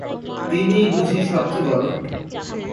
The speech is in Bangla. তিনিই বুঝি সব চেয়ে বড়ো?